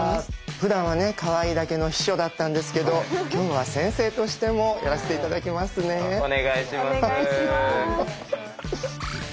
ふだんはねかわいいだけの秘書だったんですけど今日は先生としてもやらせて頂きますね。